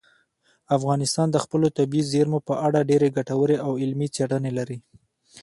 افغانستان د خپلو طبیعي زیرمو په اړه ډېرې ګټورې او علمي څېړنې لري.